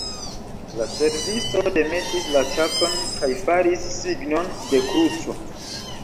La servisto demetis la ĉapon kaj faris signon de kruco.